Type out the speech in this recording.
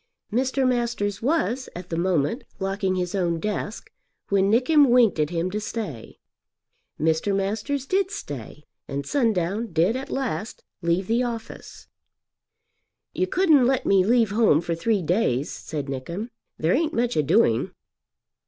Mr. Masters was, at the moment, locking his own desk, when Nickem winked at him to stay. Mr. Masters did stay, and Sundown did at last leave the office. "You couldn't let me leave home for three days?" said Nickem. "There ain't much a doing."